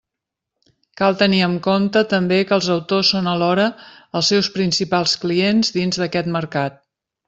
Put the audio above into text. Cal tenir en compte també que els autors són alhora els seus principals clients dins d'aquest mercat.